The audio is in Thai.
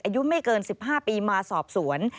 อายุไม่เกิน๑๕ปีมาสอบสวน